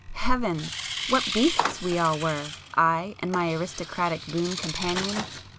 Heavens!—what beasts we all were, I and my aristocratic boon companions!